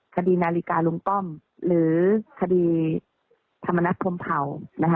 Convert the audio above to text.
คดีนาฬิกาลุงป้อมหรือคดีธรรมนัฐพรมเผา